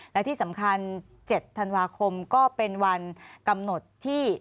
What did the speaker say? และที่สำคัญ๗ธันวาคมก็เป็นวันกำหนดที่